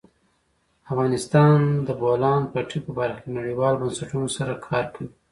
افغانستان د د بولان پټي په برخه کې نړیوالو بنسټونو سره کار کوي.